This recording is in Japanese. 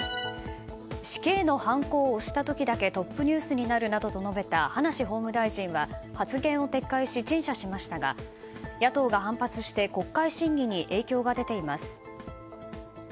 死刑のはんこを押した時だけトップニュースになるなどと述べた葉梨法務大臣は発言を撤回し、陳謝しましたが野党が反発して国会審議に影響が出ています。